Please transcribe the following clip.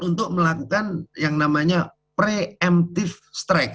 untuk melakukan yang namanya preventive strike